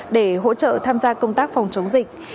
để hỗ trợ tham gia công tác phòng chống dịch